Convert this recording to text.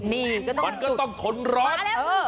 นี่มันก็ต้องทนร้อน